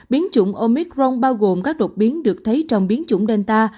biến chủng omicron bao gồm các đột biến được thấy trong biến chủng delta